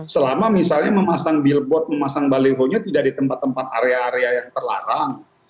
selama misalnya memasang billboard memasang balihonya tidak di tempat tempat area area yang terlarang